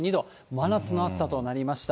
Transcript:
真夏の暑さとなりました。